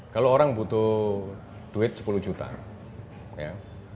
kalau orang butuh duit sepuluh juta ya